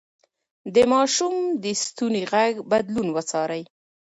د ماشوم د ستوني غږ بدلون وڅارئ.